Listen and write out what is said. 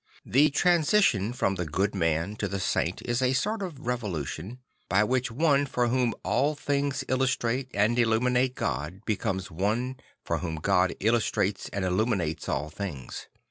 The transition from the good man to the saint is a sort of revolution; by which one for whom all things illustrate and illuminate God becomes one for whom God illustrates and illuminates all things.